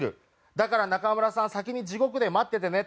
「だから中村さんは先に地獄で待っててね」。